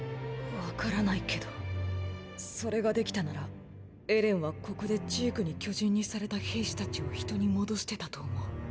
⁉わからないけどそれができたならエレンはここでジークに巨人にされた兵士たちを人に戻してたと思う。